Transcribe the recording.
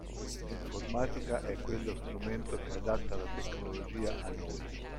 L'informatica è quello strumento che adatta la tecnologia a noi.